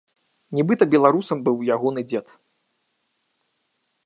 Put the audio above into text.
Нібыта беларусам быў ягоны дзед.